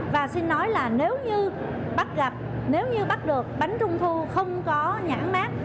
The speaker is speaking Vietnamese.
và xin nói là nếu như bắt được bánh trung thu không có nhãn mát